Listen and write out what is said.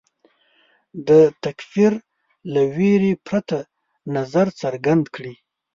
د تکفیر له وېرې پرته نظر څرګند کړي